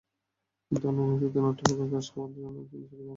কিন্তু অনলাইনে চিত্রনাট্যটি ফাঁস হয়ে যাওয়ায় তিনি ছবির কাজ স্থগিত রাখেন।